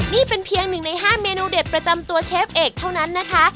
นี่เป็นเพียงหนึ่งใน๕เมนูเด็ดประจำตัวเชฟเอกเท่านั้นนะคะ